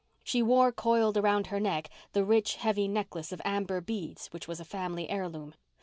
She wore coiled around her neck the rich heavy necklace of amber beads which was a family heirloom.